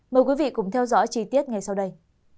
mời quý vị cùng theo dõi chi tiết ngay sau đây